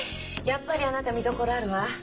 やっぱりあなた見どころあるわ。